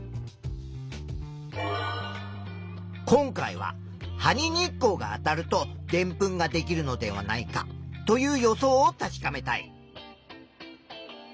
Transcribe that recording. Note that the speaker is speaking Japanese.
今回は「葉に日光があたるとでんぷんができるのではないか」という予想を確かめたい。